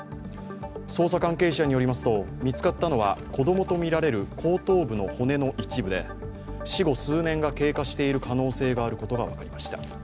捜査関係者によりますと見つかったのは子供とみられる後頭部の骨の一部で、死後数年が経過している可能性があることが分かりました。